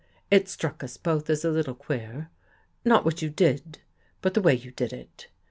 It struck us both as a little queer. Not what you did, but the way you did it.